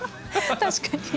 確かに。